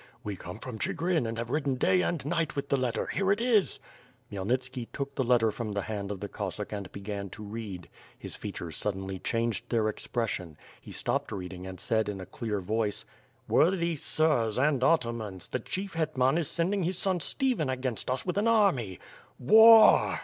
"We come from Chigrin and have ridden day and night with the letter. Here it is!" Khmyelnitski took the letter from the hand of the Cossack and began to read: his features suddenly changed their ex pression; he stopped reading and said, in a clear voice: "Worthy sirs, and Atamans! The chief hetman is sending his son Stephen against us with an army. War!"